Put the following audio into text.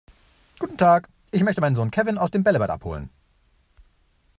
Guten Tag, ich möchte meinen Sohn Kevin aus dem Bällebad abholen.